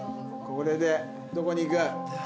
これでどこに行く？